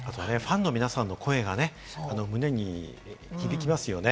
また、ファンの皆さんの声が胸に響きますよね。